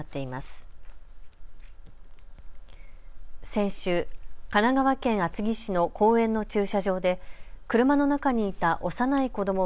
先週、神奈川県厚木市の公園の駐車場で車の中にいた幼い子ども